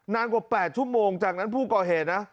นานกว่า๘ชั่วโมงจากนั้นผู้ก่อเหตุนะ